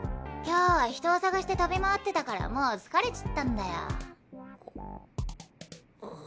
今日は人をさがして飛び回ってたからもう疲れちったんだよ。